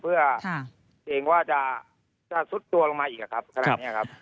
เพื่อค่ะเองว่าจะจะซุดตัวลงมาอีกอ่ะครับครับครับ